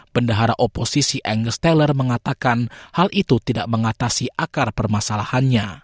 pendahara oposisi angle steller mengatakan hal itu tidak mengatasi akar permasalahannya